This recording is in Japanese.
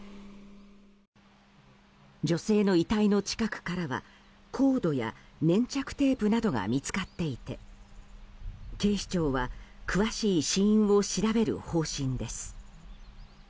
女性の遺体の近くからはコードや粘着テープなどが見つかっていて警視庁は詳しい死因を調べる方針です。